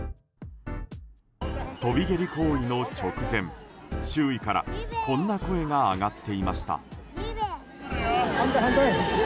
飛び蹴り行為の直前、周囲からこんな声が上がっていました。